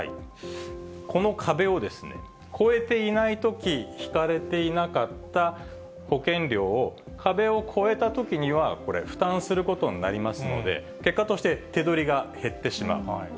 この壁を超えていないとき引かれていなかった保険料を壁を超えたときには、これ、負担することになりますので、結果として手取りが減ってしまう。